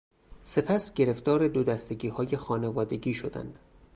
سپس گرفتار دودستگیهای خانوادگی شدند.